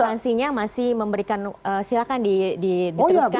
meskipun instansinya masih memberikan silahkan diteruskan